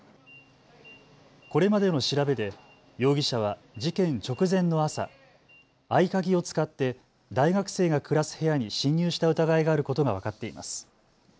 これまでの調べで容疑者は事件直前の朝、合鍵を使って大学生が暮らす部屋に侵入した疑いがあることが分かっています。